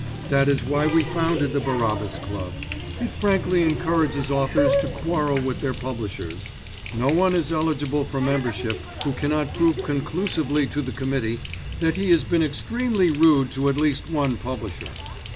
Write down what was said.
That is why we founded the Barabbas Club. It frankly encourages authors to quarrel with their publishers. No one is eligible for membership who cannot prove conclusively to the Committee that he has been extremely rude to at least one publisher.